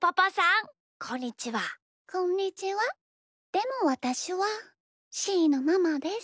でもわたしはしーのママです。